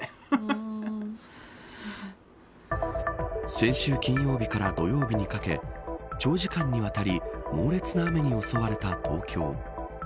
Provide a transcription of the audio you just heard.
先週金曜日から土曜日にかけ長時間にわたり猛烈な雨に襲われた東京。